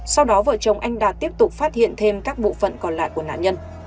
sau đó vợ chồng anh đạt tiếp tục phát hiện thêm các bộ phận còn lại của nạn nhân